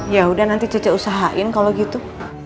yaudah nanti c c usahain kalau gitu